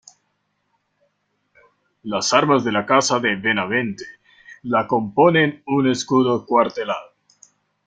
Las armas de la casa de Benavente la componen un escudo cuartelado.